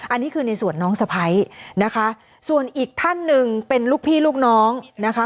อันนี้คือในส่วนน้องสะพ้ายนะคะส่วนอีกท่านหนึ่งเป็นลูกพี่ลูกน้องนะคะ